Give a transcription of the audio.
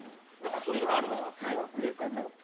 そういうのもあるんですか？